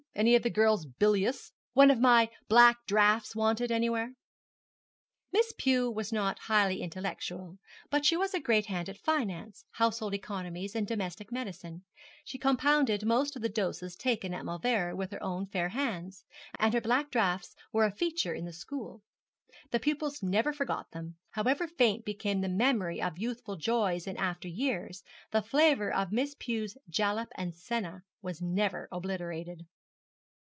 Any of the girls bilious? One of my black draughts wanted anywhere?' Miss Pew was not highly intellectual, but she was a great hand at finance, household economies, and domestic medicine. She compounded most of the doses taken at Mauleverer with her own fair hands, and her black draughts were a feature in the school. The pupils never forgot them. However faint became the memory of youthful joys in after years, the flavour of Miss Pew's jalap and senna was never obliterated.